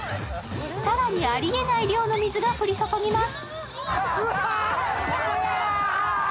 更に、ありえない量の水が降り注ぎます。